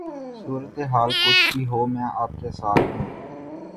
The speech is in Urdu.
صورتحال کچھ بھی ہو میں آپ کے ساتھ ہوں